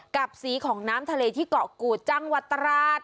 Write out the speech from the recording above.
กับสีของน้ำทะเลที่เกาะกูดจังหวัดตราด